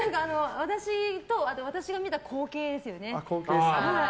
私と私が見た光景ですよね。